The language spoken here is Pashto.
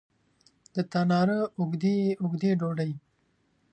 د تناره اوږدې، اوږدې ډوډۍ